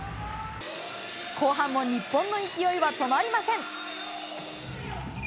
後半も日本の勢いは止まりません。